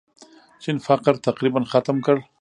چین فقر تقریباً ختم کړ.